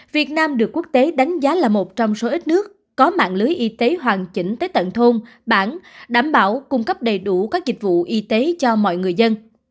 việt nam được quốc tế đánh giá là một trong số ít nước có mạng lưới y tế hoàn chỉnh tới tận thôn bản đảm bảo cung cấp đầy đủ các dịch vụ y tế cho mọi người dân